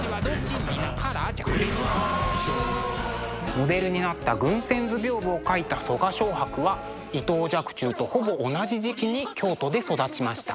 モデルになった「群仙図屏風」を描いた我蕭白は伊藤若冲とほぼ同じ時期に京都で育ちました。